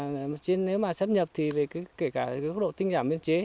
nếu mà sắp nhập thì kể cả góc độ tinh giảm biên chế